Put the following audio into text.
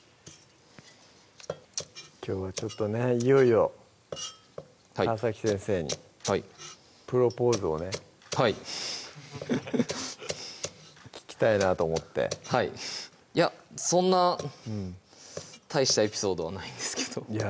きょうはちょっとねいよいよ川先生にはいプロポーズをねはい聞きたいなと思ってはいいやそんな大したエピソードはないんですけどいや